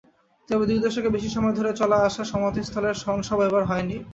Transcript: তবে দুই দশকের বেশি সময় ধরে চলে আসা সমাধিস্থলের স্মরণসভা এবার হয়নি।